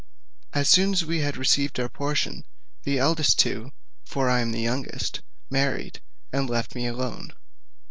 As soon as we had received our portions, the two eldest (for I am the youngest) married, and left me alone.